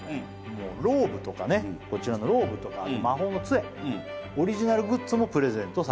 もうローブとかねこちらのローブとかあと魔法の杖オリジナルグッズもプレゼントされる